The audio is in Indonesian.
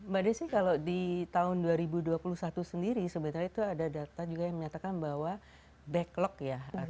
mbak desi kalau di tahun dua ribu dua puluh satu sendiri sebenarnya itu ada data juga yang menyatakan bahwa backlog ya